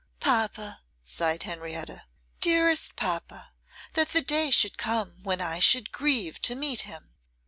'Papa,' sighed Henrietta, 'dearest papa, that the day should come when I should grieve to meet him!